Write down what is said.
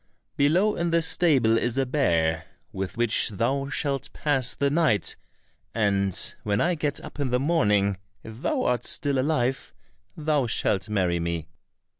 Below, in the stable is a bear with which thou shalt pass the night, and when I get up in the morning if thou art still alive, thou shalt marry me."